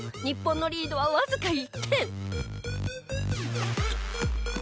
日本のリードはわずか１点。